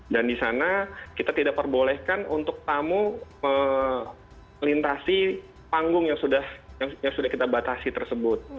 dan di sana kita tidak perbolehkan untuk tamu melintasi panggung yang sudah kita batasi tersebut